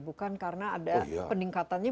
bukan karena ada peningkatannya